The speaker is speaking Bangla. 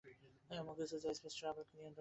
এমন কিছু যা স্পেস ট্রাভেলকে নিয়ন্ত্রণ করতে পারে।